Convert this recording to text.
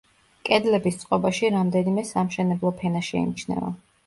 კედლების წყობაში რამდენიმე სამშენებლო ფენა შეიმჩნევა.